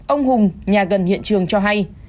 ông hùng nhà gần hiện trường cho hay